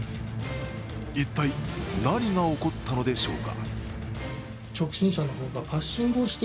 一体、何が起こったのでしょうか？